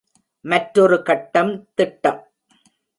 மற்றொரு கட்டம் திட்டம்.